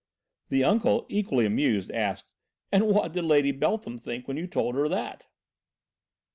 The uncle, equally amused, asked: "And what did Lady Beltham think when you told her that?"